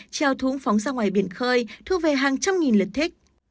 trao thúng phóng ra ngoài biển khơi thu về hàng trăm nghìn liệt thích